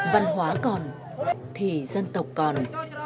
văn hóa còn thì dân tộc còn